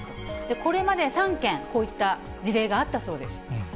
これまで３件、こういった事例があったそうです。